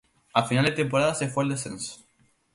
A final de temporada se fue al descenso.